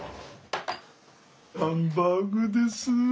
ハンバーグです。